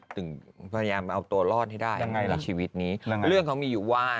ถึงพยายามเอาตัวรอดให้ได้ยังไงล่ะชีวิตนี้เรื่องเขามีอยู่ว่า